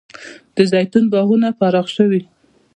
د زیتون باغونه پراخ شوي؟